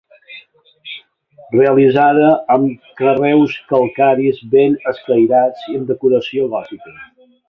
Realitzada amb carreus calcaris ben escairats i amb decoració gòtica.